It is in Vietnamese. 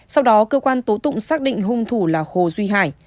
sau đó cơ quan tố tụng xác định hung thủ là hồ duy hải